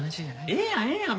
ええやんええやん。